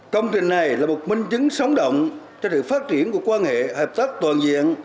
công trình này là một minh chứng sóng động cho sự phát triển của quan hệ hợp tác toàn diện